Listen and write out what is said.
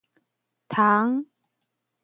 蟲